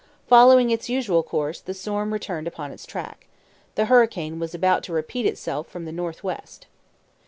Following its usual course, the storm returned upon its track. The hurricane was about to repeat itself from the north west.